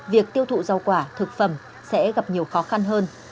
việc tiêu thụ rau quả thực phẩm sẽ gặp nhiều khó khăn hơn